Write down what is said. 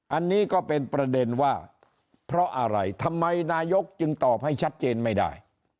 อันนี้ก็เป็นประเด็นว่าเพราะอะไรทำไมนายกจึงตอบให้ชัดเจนไม่ได้